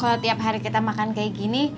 kalau tiap hari kita makan kayak gini